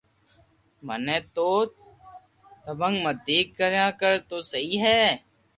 مني تو تبگ متي ڪريار تو سھي ھي